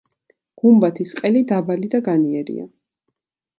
გუმბათის ყელი დაბალი და განიერია.